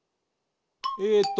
えっと